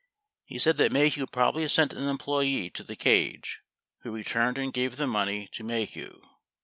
He said that Maheu probably sent an employee to the cage who returned and gave the money to Maheu.